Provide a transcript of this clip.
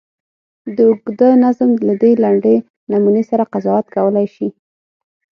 د اوږده نظم له دې لنډې نمونې سړی قضاوت کولای شي.